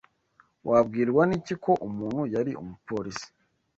Wabwirwa n'iki ko umuntu yari umupolisi?